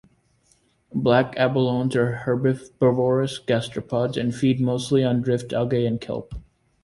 Black abalones are herbivorous gastropods, and feed mostly on drift algae and kelp.